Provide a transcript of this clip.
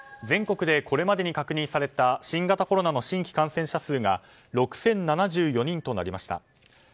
全国でこれまでに確認された新型コロナの新規感染者数が６０７４人となりました。